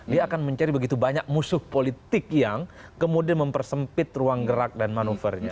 dia akan mencari begitu banyak musuh politik yang kemudian mempersempit ruang gerak dan manuvernya